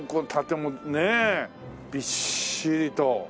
びっしりと。